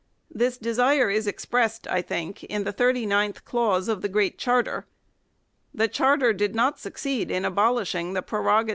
This desire is expressed, I think, in the thirty ninth clause of the Great Charter. The Charter did not succeed in abolishing the prerogative 1 Pollock and Maitland, ii.